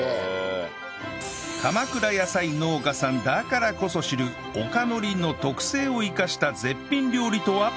鎌倉野菜農家さんだからこそ知るおかのりの特性を生かした絶品料理とは